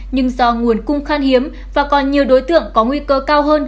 nhưng do nguồn cung khan hiếm và còn nhiều đối tượng có nguy cơ cao hơn